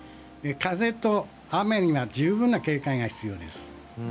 風と雨に十分な警戒が必要です。